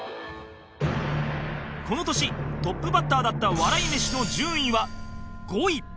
この年トップバッターだった笑い飯の順位は５位